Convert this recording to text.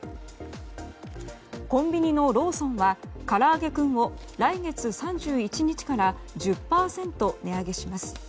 コンビニのローソンはからあげクンを来月３１日から１０％値上げします。